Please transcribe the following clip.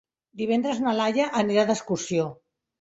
Divendres na Laia anirà d'excursió.